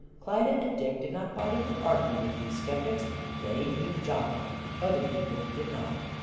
Klyda and Dick did not bother to argue with these sceptics. They knew Jock; other people did not.